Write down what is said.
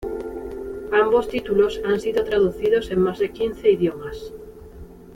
Ambos títulos han sido traducidos en más de quince idiomas.